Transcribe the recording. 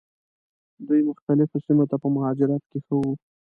دوی مختلفو سیمو ته په مهاجرت کې ښه وو.